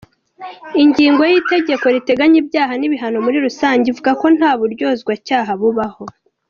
Ingingo y’Itegeko riteganya ibyaha n’ibihano muri rusange ivuga ko nta buryozwacyaha bubaho